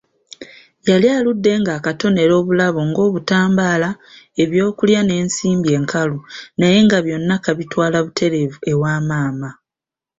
Yali aludde ng'akatonera obulabo ng'obutambaala, ebyokulya n'ensimbi enkalu naye nga byonna kabitwala butereevu ewa maama.